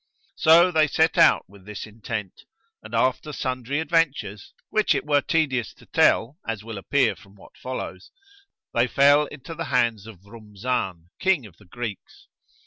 So they set out with this in tent and, after sundry adventures (which it were tedious to tell as will appear from what follows), they fell into the hands of Rúmzán, King of the Greeks.